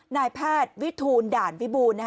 นายแพทย์วิทูลด่านวิบูรณ์